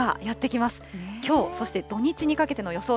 きょう、そして土日にかけての予想